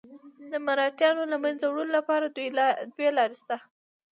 د مرهټیانو له منځه وړلو لپاره دوې لارې شته.